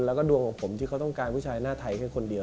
แล้วก็ดวงของผมที่เขาต้องการผู้ชายหน้าไทยแค่คนเดียว